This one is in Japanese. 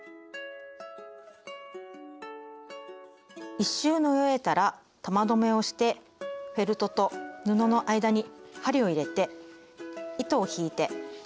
１周縫い終えたら玉留めをしてフェルトと布の間に針を入れて糸を引いて玉留めを中に隠しておきます。